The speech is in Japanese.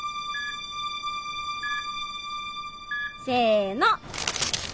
せの！